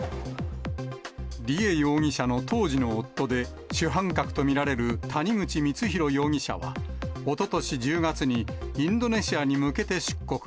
梨恵容疑者の当時の夫で、主犯格と見られる谷口光弘容疑者は、おととし１０月にインドネシアに向けて出国。